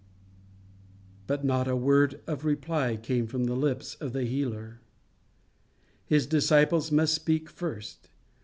But not a word of reply came from the lips of the Healer. His disciples must speak first.